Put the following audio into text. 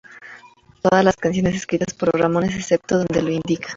Todas las canciones escritas por los Ramones excepto donde lo indica.